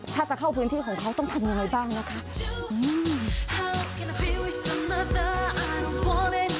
ถ้าจะเข้าพื้นที่ของเขาต้องทำยังไงบ้างนะคะ